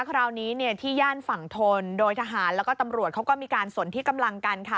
คราวนี้เนี่ยที่ย่านฝั่งทนโดยทหารแล้วก็ตำรวจเขาก็มีการสนที่กำลังกันค่ะ